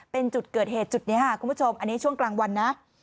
เป็นจุดเกิดเหตุจุดนี้ค่ะคุณผู้ชมอันนี้ช่วงกลางวันนะ